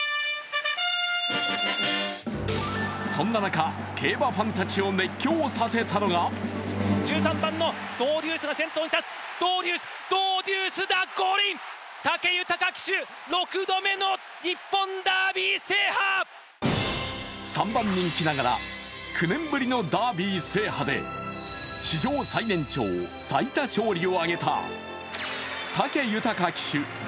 そんな中、競馬ファンたちを熱狂させたのが３番人気ながら、９年ぶりのダービー制覇で史上最年長・最多勝利を挙げた武豊騎手